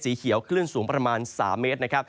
สีเขียวคลื่นสูงประมาณ๓เมตร